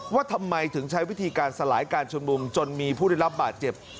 ว่าทำไมถึงใช้วิธีการสลายการชุมนุมจนมีผู้ได้รับบาดเจ็บ